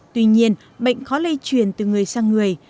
tuy nhiên bệnh khó lây truyền từ người sang người